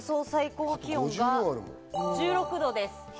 最高気温が１６度です。